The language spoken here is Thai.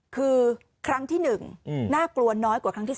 คือครั้งที่๑น่ากลัวน้อยกว่าครั้งที่๓